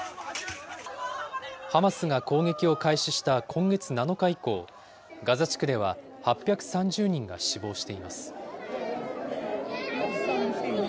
ハマスが攻撃を開始した今月７日以降、ガザ地区では８３０人が死亡しています。